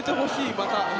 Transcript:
また。